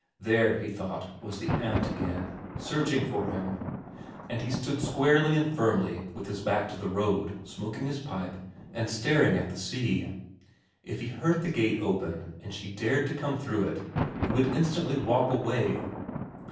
There, he thought, was the aunt again, searching for him, and he stood squarely and firmly with his back to the road, smoking his pipe and staring at the sea. If he heard the gate open and she dared to come through it he would instantly walk away.